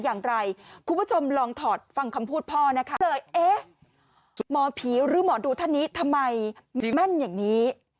อย่างไรคุณผู้ชมลองถอดฟังคำพูดพ่อนะคะเลยเอ๊ะหมอผีหรือหมอดูท่านนี้ทำไมแม่นอย่างนี้